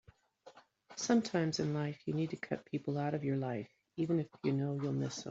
Sometimes in life you need to cut people out of your life even if you know you'll miss them.